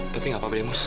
tapi gak apa bremus